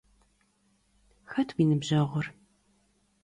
Xet vui nıbjeğur?